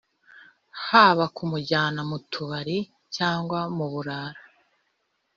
haba kumujyana mu tubari cyangwa mu burara